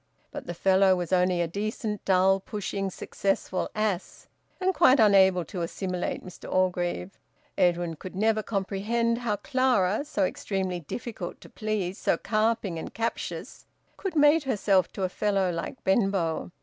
But the fellow was only a decent, dull, pushing, successful ass, and quite unable to assimilate Mr Orgreave; Edwin could never comprehend how Clara, so extremely difficult to please, so carping and captious, could mate herself to a fellow like Benbow.